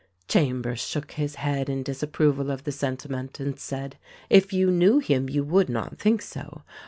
Chambers shook his head in disapproval of the sentiment, and said, "If you knew him you would not think so.